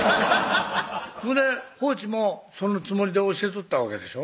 ほんでコーチもそのつもりで教えとったわけでしょ？